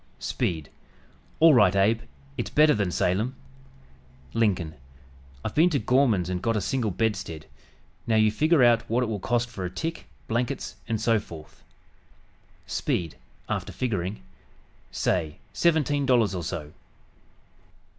Speed "All right, Abe; it's better than Salem." Lincoln "I've been to Gorman's and got a single bedstead; now you figure out what it will cost for a tick, blankets and so forth." Speed (after figuring) "Say, seventeen dollars or so."